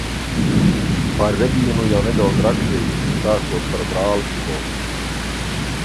Par Regīnu jau nedaudz rakstīju, stāstot par brāli Hugo.